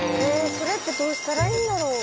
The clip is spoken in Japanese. それってどうしたらいいんだろう。